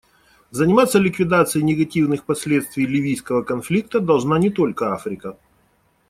Заниматься ликвидацией негативных последствий ливийского конфликта должна не только Африка.